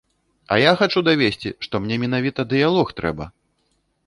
А я хачу давесці, што мне менавіта дыялог трэба.